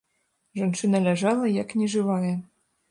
Жанчына ляжала, як нежывая.